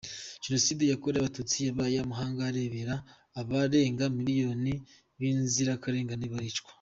Jenoside yakorewe Abatutsi yabaye amahanga arebera, abarenga miliyoni b’inzirakarengane baricwa.